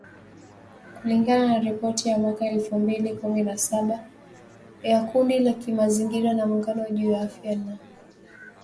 Kulingana na ripoti ya mwaka elfu mbili kumi na saba ya kundi la kimazingira la Muungano juu ya Afya na Uchafuzi wa mazingira